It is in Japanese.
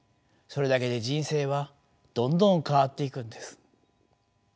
それだけで人生はどんどん変わっていくんです。